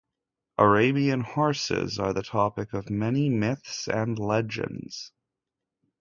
Arabian horses are the topic of many myths and legends.